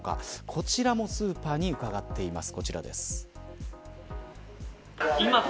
こちらもスーパーに伺っています。